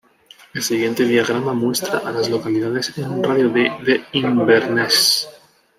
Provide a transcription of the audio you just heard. El siguiente diagrama muestra a las localidades en un radio de de Inverness.